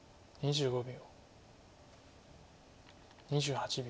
２５秒。